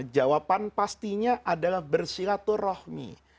jawaban pastinya adalah bersilaturrohmi